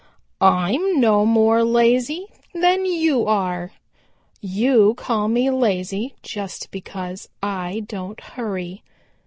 "I'm no more lazy than you are. You call me lazy just because I don't hurry.